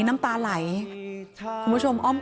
คุณผู้ชมค่ะคุณผู้ชมค่ะ